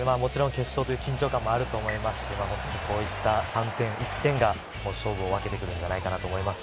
決勝という緊張感もあると思いますし、こういった３点、１点が勝負を分けてくるのではないかと思います。